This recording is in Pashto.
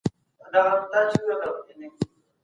تاریخي تحلیل د خلګو د برخوردونو یوه کلیدي برخه ده.